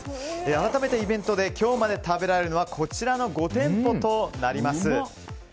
改めて、イベントで今日まで食べられるのはこちらの５店舗です。